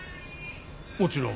もちろん。